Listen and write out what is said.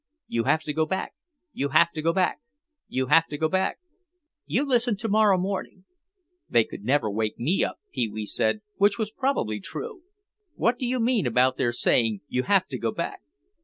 You have to go back, You have to go back, You have to go back. You listen to morrow morning." "They could never wake me up," Pee wee said, which was probably true. "What do you mean about their saying you have to go back?"